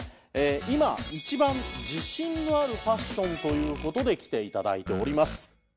今一番自信のあるファッションという事で来て頂いております。